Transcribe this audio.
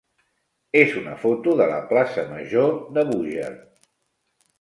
és una foto de la plaça major de Búger.